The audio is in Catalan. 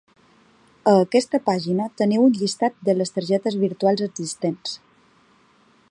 A aquesta pàgina teniu un llistat de les targetes virtuals existents.